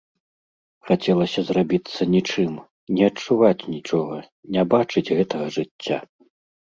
Хацелася зрабіцца нічым, не адчуваць нічога, не бачыць гэтага жыцця.